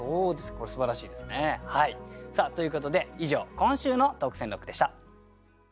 これすばらしいですね。ということで以上今週の特選六句でした。